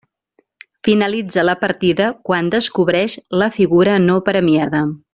Finalitza la partida quan descobreix la figura no premiada.